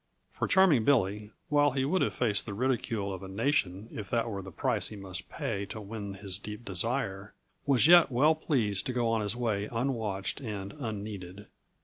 For Charming Billy, while he would have faced the ridicule of a nation if that were the price he must pay to win his deep desire, was yet well pleased to go on his way unwatched and unneeded.